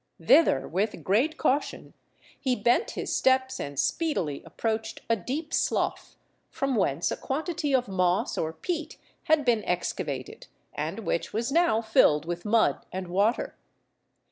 Thither, with great caution, he bent his steps, and speedily approached a deep slough, from whence a quantity of moss or peat had been excavated, and which was now filled with mud and water.